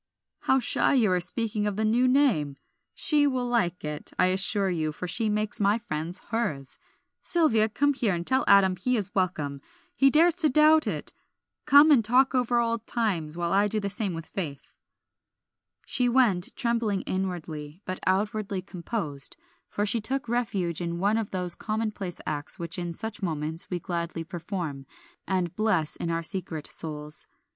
"How shy you are of speaking the new name! 'She' will like it, I assure you, for she makes my friends hers. Sylvia, come here, and tell Adam he is welcome; he dares to doubt it. Come and talk over old times, while I do the same with Faith." She went, trembling inwardly, but outwardly composed, for she took refuge in one of those commonplace acts which in such moments we gladly perform, and bless in our secret souls.